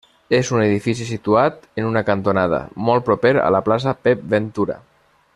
És un edifici situat en una cantonada, molt proper a la plaça Pep Ventura.